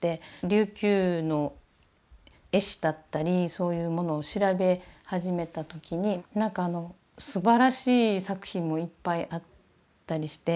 琉球の絵師だったりそういうものを調べ始めた時になんかあのすばらしい作品もいっぱいあったりして。